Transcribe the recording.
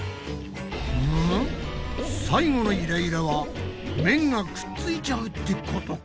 むむ最後のイライラは麺がくっついちゃうってことか。